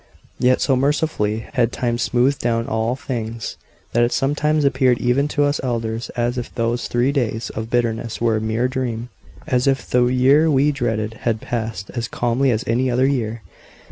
Yet so mercifully had time smoothed down all things, that it sometimes appeared even to us elders as if those three days of bitterness were a mere dream as if the year we dreaded had passed as calmly as any other year.